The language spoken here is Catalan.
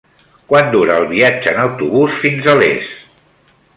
Quant dura el viatge en autobús fins a Les?